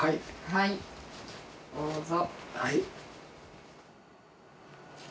はいどうぞ。